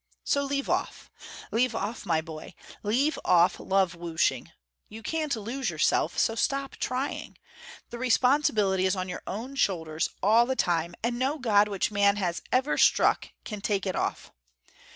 "So leave off. Leave off, my boy. Leave off love whooshing. You can't lose yourself, so stop trying. The responsibility is on your own shoulders all the time, and no God which man has ever struck can take it off.